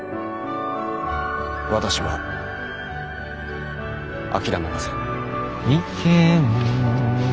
私は諦めません。